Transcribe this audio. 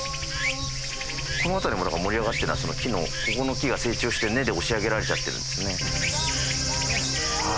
この辺りもだから盛り上がってるのはその木のここの木が成長して根で押し上げられちゃってるんですね。